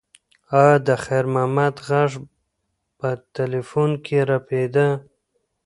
ایا د خیر محمد غږ په تلیفون کې رپېده؟